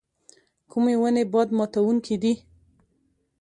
کومې ونې باد ماتوونکي دي؟